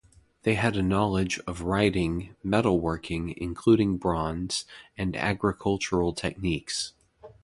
They had a knowledge of writing, metalworking, including bronze, and agricultural techniques.